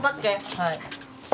はい。